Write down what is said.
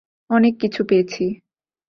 অনেক কিছু পেয়েছি।